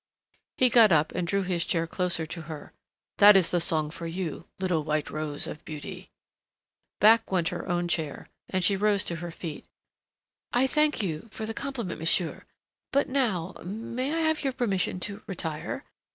'" He got up and drew his chair closer to her. "That is the song for you, little white rose of beauty." Back went her own chair, and she rose to her feet. "I thank you for the compliment, monsieur. But now have I your permission to retire?